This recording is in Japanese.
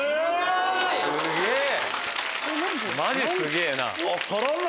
マジすげぇな！